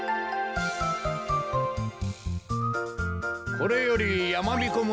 これよりやまびこ村